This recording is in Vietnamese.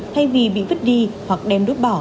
thay vì bị vứt đi hoặc đem đốt bỏ